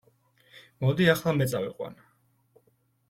მოდი, ახლა მე წავიყვან.